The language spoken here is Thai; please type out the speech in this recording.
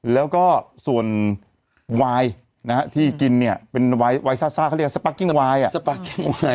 แล้วก็ส่วนวายนะฮะที่กินเนี่ยเป็นวายซ่าเขาเรียกสปาร์กิ้งวายสปาร์กิ้งวาย